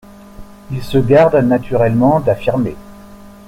Ils se gardent naturellement d'affirmer.